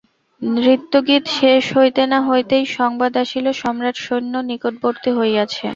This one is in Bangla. নৃত্যগীত শেষ হইতে না হইতেই সংবাদ আসিল সম্রাট-সৈন্য নিকটবর্তী হইয়াছে।